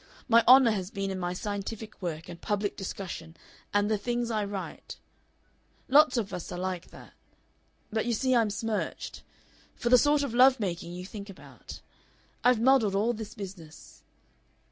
My honor has been in my scientific work and public discussion and the things I write. Lots of us are like that. But, you see, I'm smirched. For the sort of love making you think about. I've muddled all this business.